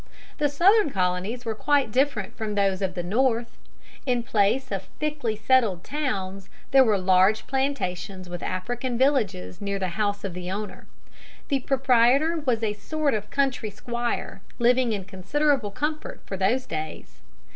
The Southern Colonies were quite different from those of the North. In place of thickly settled towns there were large plantations with African villages near the house of the owner. The proprietor was a sort of country squire, living in considerable comfort for those days.